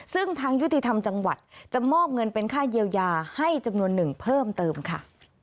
ซึ่งทางยุติธรรมจังหวัดจะมอบเงินเป็นค่าเยียวยาให้จำนวนหนึ่งเพิ่มเติมค่ะ